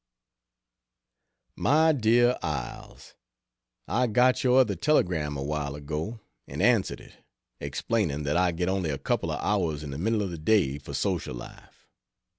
MY DEAR ILES, I got your other telegram a while ago, and answered it, explaining that I get only a couple of hours in the middle of the day for social life.